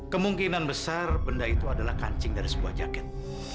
kemungkinan besar benda itu adalah kancing dari sebuah jaket